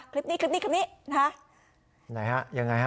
คลิปนี้คลิปนี้คลิปนี้นะฮะไหนฮะยังไงฮะ